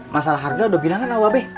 masalah harga udah bilangan lah be